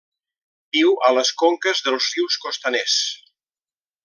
Viu a les conques dels rius costaners.